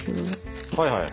はいはい。